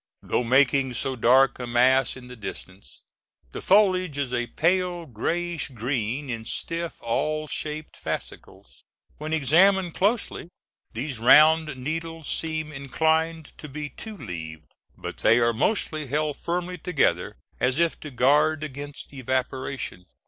Though making so dark a mass in the distance, the foliage is a pale grayish green, in stiff, awl shaped fascicles. When examined closely these round needles seem inclined to be two leaved, but they are mostly held firmly together, as if to guard against evaporation.